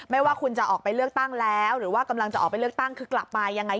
ว่าคุณจะออกไปเลือกตั้งแล้วหรือว่ากำลังจะออกไปเลือกตั้งคือกลับมายังไง